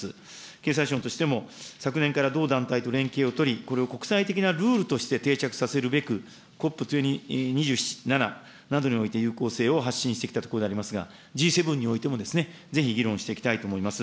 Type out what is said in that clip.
経産省としても、昨年から同団体と連携を取り、これを国際的なルールとして定着させるべく、ＣＯＰ２７などにおいて有効性を発信してきたところでありますが、Ｇ７においても、ぜひ議論していきたいと思います。